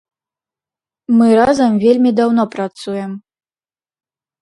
Мы разам вельмі даўно працуем.